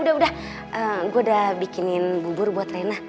udah gue udah bikinin bubur buat rena